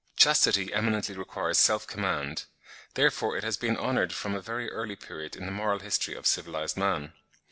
Chastity eminently requires self command; therefore it has been honoured from a very early period in the moral history of civilised man.